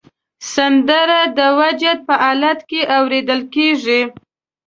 سندره د وجد په حالت کې اورېدل کېږي